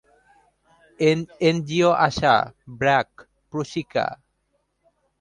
NGO ASA, BRAC, Proshika.